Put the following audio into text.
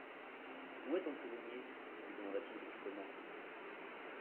Où est ton prisonnier ? lui demanda-t-il brusquement.